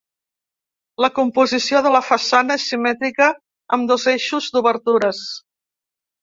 La composició de la façana és simètrica amb dos eixos d'obertures.